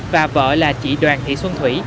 và vợ là chị đoàn thị xuân thủy